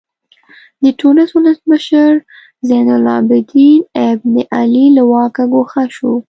د ټونس ولسمشر زین العابدین بن علي له واکه ګوښه شو.